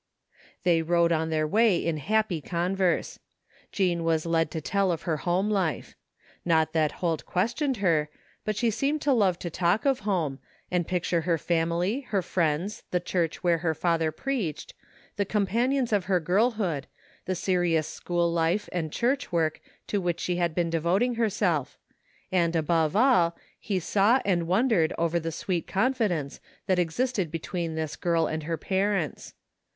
'' They rode on their way in happy converse. Jean was led to tell of her home life. Not that Holt ques tioned her, but she seemed to love to talk of home, and picture her family, her friends, the church where her father preached, the companions of her girlhood, the serious school life and church work to which she had been devoting herself ; and, above all, he saw and won dered over the sweet confidence that existed between this girl and her parents.